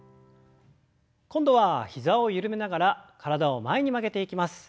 今度は膝を緩めながら体を前に曲げていきます。